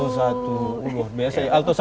luar biasa ya